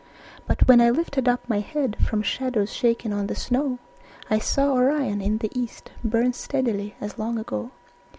But when I lifted up my head From shadows shaken on the snow, I saw Orion in the east Burn steadily as long ago.